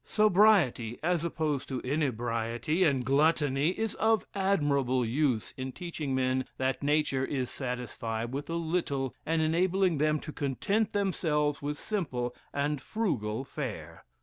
"Sobriety, as opposed to inebriety and gluttony, is of admirable use in teaching men that nature is satisfied with a little, and enabling them to content themselves with simple and frugal fare.